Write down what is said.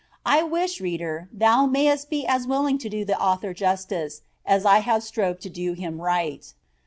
I wish, reader, thou mayest be as willing to do the author justice, as I have strove to do him right."